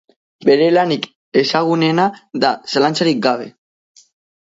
Bere lanik ezagunena da zalantzarik gabe.